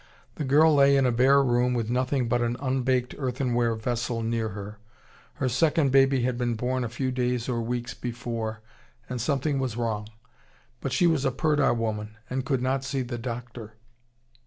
The girl lay in a bare room with nothing but an unbaked earthenware vessel near her. Her second baby had been born a few days or weeks before and something was wrong.... But she was a purdah woman and could not see the doctor.